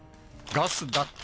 ガス・だって・